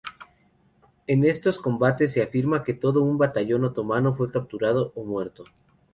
En estos combates se afirma que todo un batallón otomano fue capturado o muerto.